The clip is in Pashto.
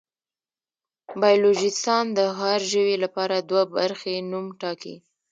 بایولوژېسټان د هر ژوي لپاره دوه برخې نوم ټاکي.